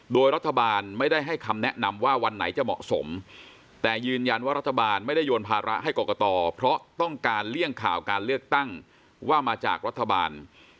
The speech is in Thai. โดยรัฐบาลไม่ได้ให้คำแนะนำว่าวันไหนจะเหมาะสมแต่ยืนยันว่ารัฐบาลไม่ได้โยนภาระให้กรกตเพราะต้องการเลี่ยงข่าวการเลือกตั้งว่ามาจากรัฐบาล